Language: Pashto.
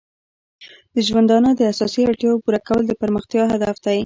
د ژوندانه د اساسي اړتیاو پوره کول د پرمختیا هدف دی.